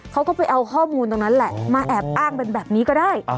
เขาก็ไปเอาข้อมูลตรงนั้นแหละมาแอบอ้างเป็นแบบนี้ก็ได้